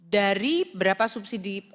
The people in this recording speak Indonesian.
dari berapa subsidi pertalite itu